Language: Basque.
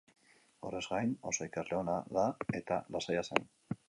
Horrez gain, oso ikasle ona eta lasaia zen.